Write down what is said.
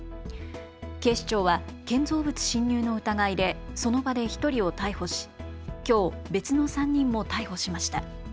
警視庁は建造物侵入の疑いでその場で１人を逮捕しきょう別の３人も逮捕しました。